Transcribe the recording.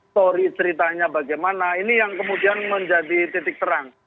sorry ceritanya bagaimana ini yang kemudian menjadi titik terang